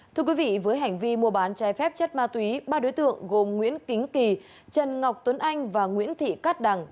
thưa quý vị với hành vi mua bán trái phép chất ma túy ba đối tượng gồm nguyễn kính kỳ trần ngọc tuấn anh và nguyễn thị cát đằng